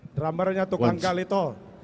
drummernya tukang galito